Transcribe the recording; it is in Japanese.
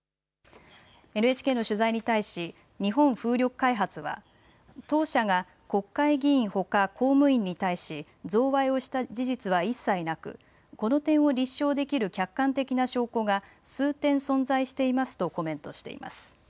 ＮＨＫの取材に対し日本風力開発は当社が国会議員他、公務員に対し贈賄をした事実は一切なくこの点を立証できる客観的な証拠が数点存在していますとコメントしています。